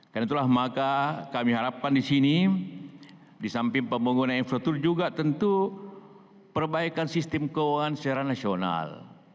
karena itulah maka kami harapkan di sini disamping pembangunan infrastruktur juga tentu perbaikan sistem keuangan secara nasional